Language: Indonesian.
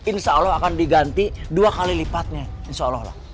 insya allah akan diganti dua kali lipatnya insya allah lah